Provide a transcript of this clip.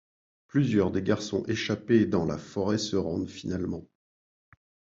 Plusieurs des garçons échappés dans la forêt se rendent finalement.